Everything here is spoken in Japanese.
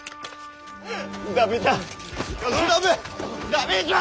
駄目じゃ。